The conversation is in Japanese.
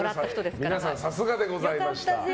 皆さん、さすがでございました。